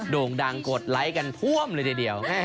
โด่งดังกดไลค์กันท่วมเลยทีเดียว